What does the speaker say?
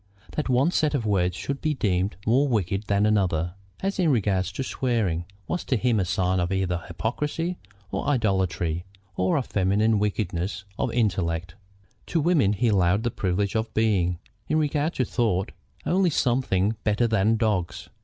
That one set of words should be deemed more wicked than another, as in regard to swearing, was to him a sign either of hypocrisy, of idolatry, or of feminine weakness of intellect. To women he allowed the privilege of being, in regard to thought, only something better than dogs.